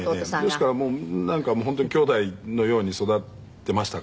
ですからもうなんか本当にきょうだいのように育っていましたからね。